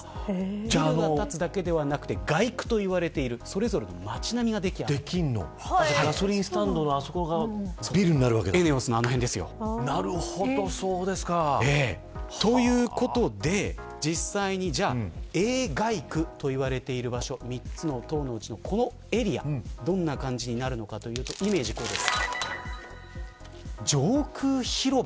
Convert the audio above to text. ただ建つだけではなくて街区といわれているガソリンスタンドのあそこがビルになるわけだ。ということで実際にＡ街区といわれている場所３つの棟のうちのこのエリアどんな感じになるのかというとイメージはこうです。